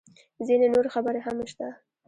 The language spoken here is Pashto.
_ځينې نورې خبرې هم شته.